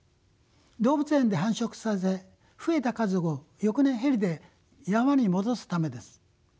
動物園で繁殖させ増えた家族を翌年ヘリで山に戻すためです。